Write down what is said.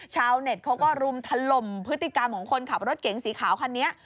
ชาวเน็ตเขาก็รุมถล่มพฤติกรรมของคนขับรถเก๋งสีขาวคันนี้